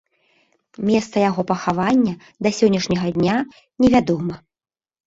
Месца яго пахавання да сённяшняга дня не вядома.